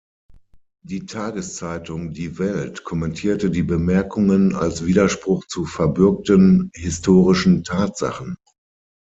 Die Tageszeitung "Die Welt" kommentierte die Bemerkungen als Widerspruch zu „verbürgten historischen Tatsachen“.